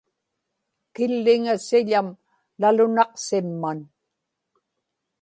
killiŋa siḷam nalunaqsimman